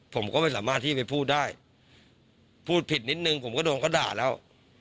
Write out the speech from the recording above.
ผมก็ไม่สามารถที่ไปพูดได้พูดผิดนิดนึงผมก็โดนเขาด่าแล้ว